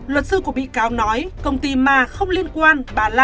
luật sư của bị cáo nói công ty ma không liên quan bà lan là lập luật